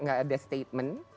gak ada statement